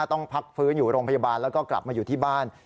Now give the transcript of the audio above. ต้องพักฟื้นอยู่โรงพยาบาลแล้วก็กลับมาอยู่ที่บ้าน